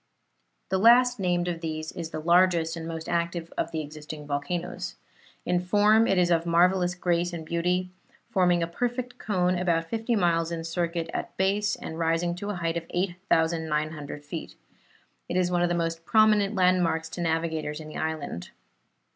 The last named of these is the largest and most active of the existing volcanoes. In form it is of marvellous grace and beauty, forming a perfect cone, about fifty miles in circuit at base and rising to a height of 8,900 feet. It is one of the most prominent landmarks to navigators in the island.